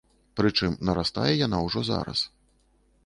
Прычым нарастае яна ўжо зараз.